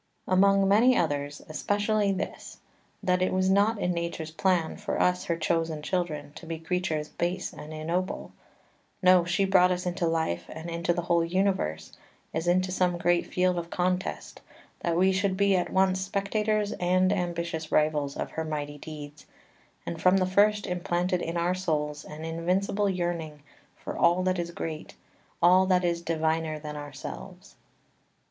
Among many others especially this, that it was not in nature's plan for us her chosen children to be creatures base and ignoble, no, she brought us into life, and into the whole universe, as into some great field of contest, that we should be at once spectators and ambitious rivals of her mighty deeds, and from the first implanted in our souls an invincible yearning for all that is great, all that is diviner than ourselves.